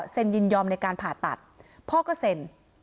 ยินยอมในการผ่าตัดพ่อก็เซ็น